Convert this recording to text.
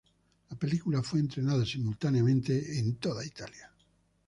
La película fue estrenada simultáneamente en toda Italia.